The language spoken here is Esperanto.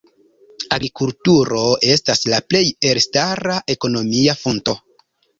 Agrikulturo estas la plej elstara ekonomia fonto.